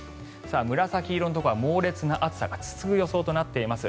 紫色のところは猛烈な暑さが続く予想となっています。